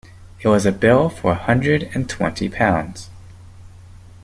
It was a bill for a hundred and twenty pounds.